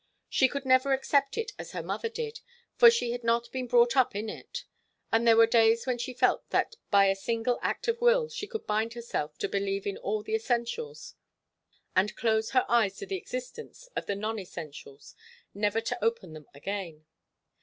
She never could accept it as her mother did, for she had not been brought up in it, but there were days when she felt that by a single act of will she could bind herself to believe in all the essentials, and close her eyes to the existence of the non essentials, never to open them again.